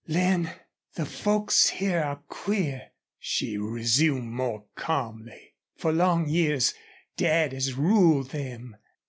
"Lin, the folks here are queer," she resumed, more calmly. "For long years Dad has ruled them.